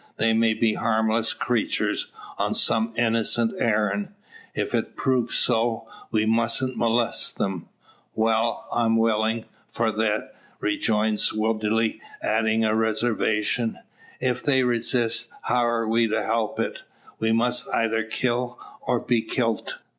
They may be harmless creatures, on some innocent errand. If it prove so, we musn't molest them." "Wal; I'm willin', for thet," rejoins Woodley, adding a reservation, "Ef they resist, how are we to help it? We must eyther kill, or be kilt."